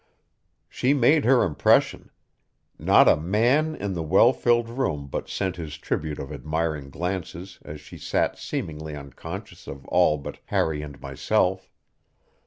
She made her impression; not a man in the well filled room but sent his tribute of admiring glances as she sat seemingly unconscious of all but Harry and myself.